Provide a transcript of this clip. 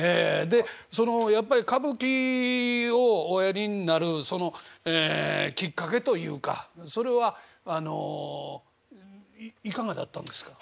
でそのやっぱり歌舞伎をおやりになるそのきっかけというかそれはあのいかがだったんですか？